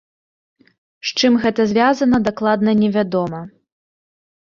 З чым гэта звязана, дакладна невядома.